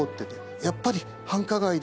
やっぱり。